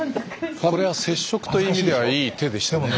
これは接触という意味ではいい手でしたね。